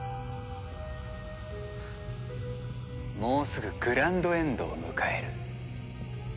もうすぐグランドエンドを迎える。